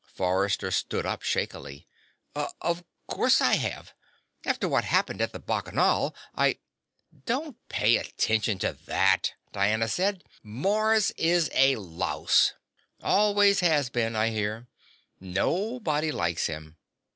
Forrester stood up shakily. "Of course I have. After what happened at the Bacchanal, I " "Don't pay any attention to that," Diana said. "Mars is a louse. Always has been, I hear. Nobody likes him.